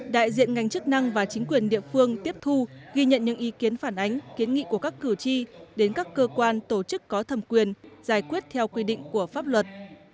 đại diện ngành chức năng và chính quyền địa phương tiếp thu ghi nhận những ý kiến phản ánh kiến nghị của các cử tri đến các cơ quan tổ chức có thẩm quyền giải quyết theo quy định của pháp luật